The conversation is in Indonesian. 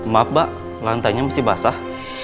maaf mbak lantainya masih basah